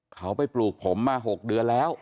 เขาไปปลูกผมมา๖เดือนแล้ว